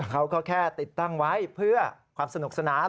เขาก็แค่ติดตั้งไว้เพื่อความสนุกสนาน